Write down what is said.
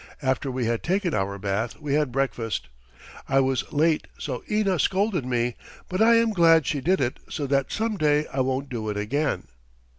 After we had taken our bath we had breakfast. I was late so Ina scolded me, but I am glad she did it so that some day I won't do it again.